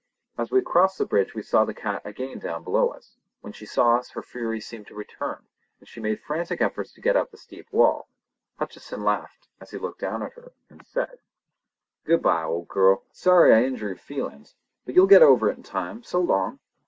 As we crossed the bridge we saw the cat again down below us. When she saw us her fury seemed to return, and she made frantic efforts to get up the steep wall. Hutcheson laughed as he looked down at her, and said: "Goodbye, old girl. Sorry I injured your feelin's, but you'll get over it in time! So long!"